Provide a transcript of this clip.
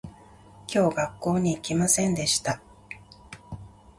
今日学校に行きませんでした